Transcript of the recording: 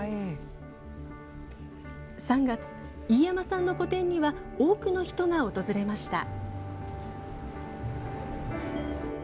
３月、飯山さんの個展には多くの人が訪れました。